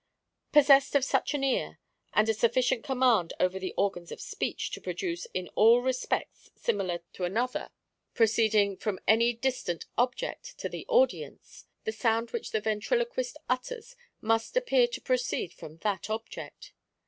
Possessed of such an ear, and a sufficient command over the organs of speech to produce in all respects similar to another proceeding from any distinct object to the audience, the sound which the ventriloquist utters must appear to proceed from that object.